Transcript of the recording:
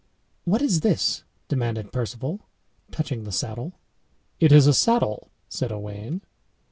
"What is this?" demanded Perceval, touching the saddle. "It is a saddle," said Owain.